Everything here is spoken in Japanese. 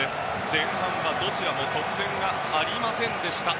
前半はどちらも得点がありませんでした。